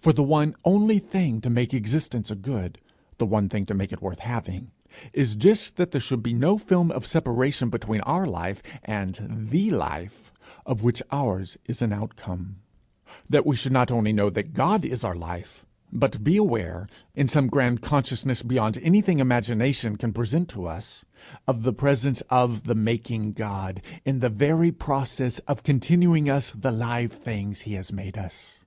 For the one only thing to make existence a good, the one thing to make it worth having, is just that there should be no film of separation between our life and the life of which ours is an outcome; that we should not only know that God is our life, but be aware, in some grand consciousness beyond anything imagination can present to us, of the presence of the making God, in the very process of continuing us the live things he has made us.